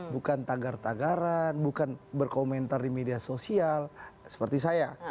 bukan tagar tagaran bukan berkomentar di media sosial seperti saya